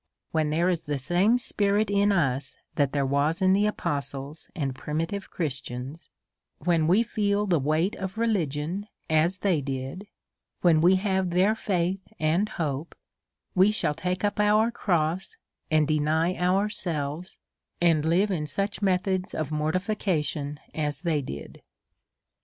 When there is the same spirit in us that there was in the apostles and primitive Christians, when we feel the weight of religion as they did, when we have their faith and hope, we shall take up our cross and deny ourselves, and live in such methods of mortification as they did.